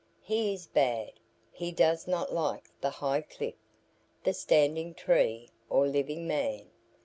He is bad. He does not like the high cliff, the standing tree, or living man.